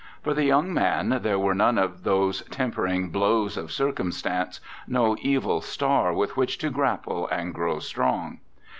For the young man there were none of those tempering ' blows of circum stance', no evil star with which to grapple and grow strong.